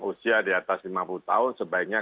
usia di atas lima puluh tahun sebaiknya